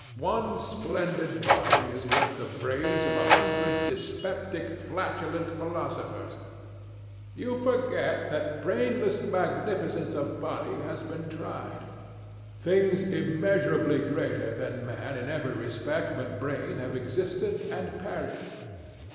One splendid body is worth the brains of a hundred dyspeptic, flatulent philosophers. DON JUAN. You forget that brainless magnificence of body has been tried. Things immeasurably greater than man in every respect but brain have existed and perished.